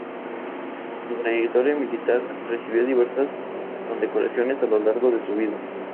Por su trayectoria militar recibió diversas condecoraciones a lo largo de su vida.